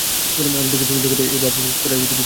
আমি দেখিতেছি, জগতে এই ভাব প্রচার করাই বিশেষ প্রয়োজন।